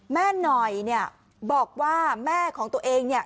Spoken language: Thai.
แม่หน่อยเนี่ยบอกว่าแม่ของตัวเองเนี่ย